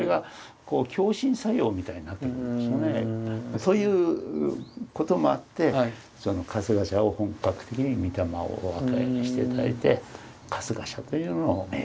そういうこともあってその春日社を本格的に御霊をお分けして頂いて春日社というのを作ったわけなんですよね。